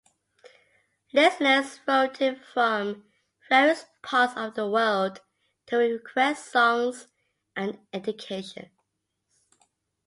Listeners wrote in from various parts of the world to request songs and dedications.